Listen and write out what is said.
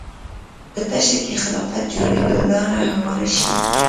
په تشه کې خلافت جوړېدو لاره هواره شي